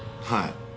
はい。